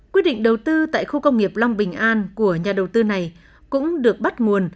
quyết định đầu tư tại khu công nghiệp long bình an của nhà đầu tư này cũng được bắt nguồn